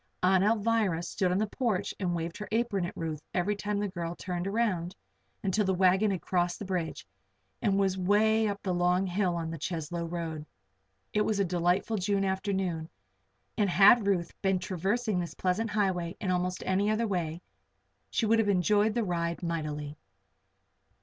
Aunt Alvirah stood on the porch and waved her apron at Ruth every time the girl turned around, until the wagon had crossed the bridge and was way up the long hill on the Cheslow road. It was a delightful June afternoon and had Ruth been traversing this pleasant highway in almost any other way, she would have enjoyed the ride mightily.